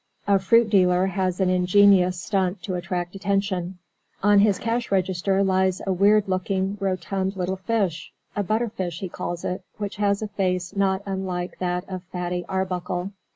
A fruit dealer has an ingenious stunt to attract attention. On his cash register lies a weird looking rotund little fish a butter fish, he calls it which has a face not unlike that of Fatty Arbuckle.